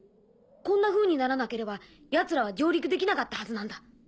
こんなふうにならなければヤツらは上陸できなかったはずなんだ。